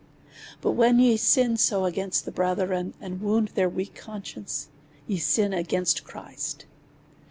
But when ye sin so against the brethren, and wound their weak conscience, ye sin against Christ.